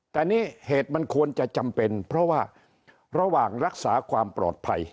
แต่นี่เหตุมันควรจะจำเป็นเพราะว่าระหว่างรักษาความปลอดภัย